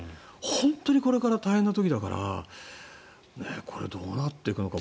本当にこれから大変な時だからこれ、どうなっていくのか